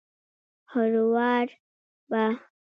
هروار به